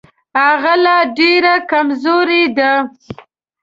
هغه لا ډېره کمزورې ده.